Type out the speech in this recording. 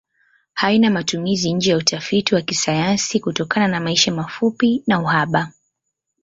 Haina matumizi nje ya utafiti wa kisayansi kutokana maisha mafupi na uhaba.